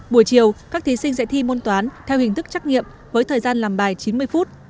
buổi chiều các thí sinh sẽ thi môn toán theo hình thức trắc nghiệm với thời gian làm bài chín mươi phút